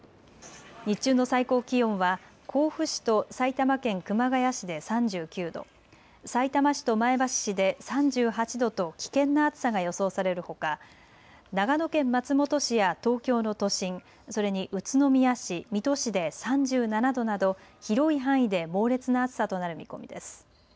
日中の最高気温は甲府市と埼玉県熊谷市で３９度、さいたま市と前橋市で３８度と危険な暑さが予想されるほか長野県松本市や東京の都心、それに宇都宮市、水戸市で３７度など広い範囲で猛烈な暑さとなる見込みです。